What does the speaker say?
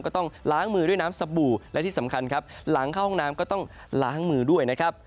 ก็ต้องล้างมือด้วยน้ำสบู่และที่สำคัญครับหลังเข้าห้องน้ำก็ต้องล้างมือด้วยนะครับ